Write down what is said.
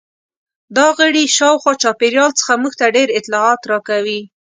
دا غړي شاوخوا چاپیریال څخه موږ ته ډېر اطلاعات راکوي.